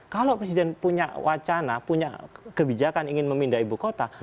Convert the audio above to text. kalau presiden punya wacana punya kebijakan ingin memindah ibu kota